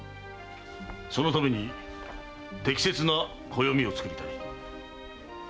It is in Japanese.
そのために適切な暦を作りたい。